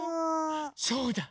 そうだ！